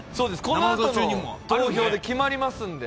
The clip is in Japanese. このあとの投票で決まりますので。